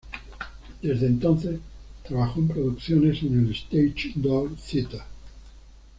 Desde entonces, trabajó en producciones en el Stage Door Theater.